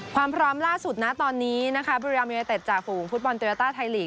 ความพร้อมล่าสุดณะตอนนี้นะคะบริรามยนต์เอเตศจากฝูงฟุตบอลเตอร์เตอร์ไทยลีก